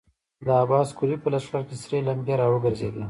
د عباس قلي په لښکر کې سرې لمبې را وګرځېدې.